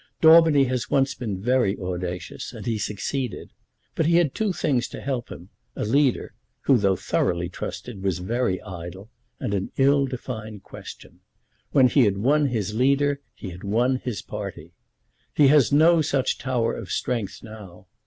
Daubeny has once been very audacious, and he succeeded. But he had two things to help him, a leader, who, though thoroughly trusted, was very idle, and an ill defined question. When he had won his leader he had won his party. He has no such tower of strength now.